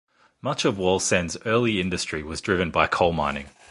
Much of Wallsend's early industry was driven by coal mining.